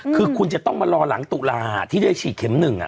คือคุณจะต้องมารอหลังตุลาที่ได้ฉีดเข็ม๑